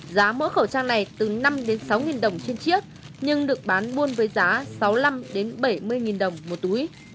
giá mỗi khẩu trang này từ năm sáu đồng trên chiếc nhưng được bán buôn với giá sáu mươi năm bảy mươi đồng một túi